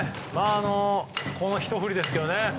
このひと振りですよね。